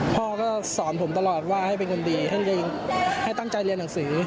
พ่อก็สอนผมตลอดว่าให้เป็นคนดีท่านจะให้ตั้งใจเรียนหนังสือ